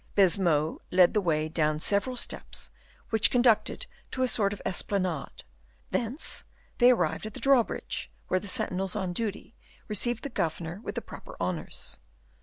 Baisemeaux led the way down several steps which conducted to a sort of esplanade; thence they arrived at the drawbridge, where the sentinels on duty received the governor with the proper honors.